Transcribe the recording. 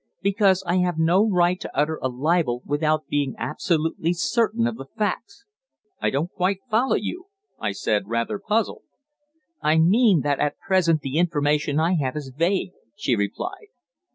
"Because I have no right to utter a libel without being absolutely certain of the facts." "I don't quite follow you," I said, rather puzzled. "I mean that at present the information I have is vague," she replied.